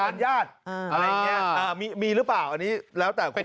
อะไรอย่างนี้อ่ามีหรือเปล่าอันนี้แล้วแต่คุณผู้ชม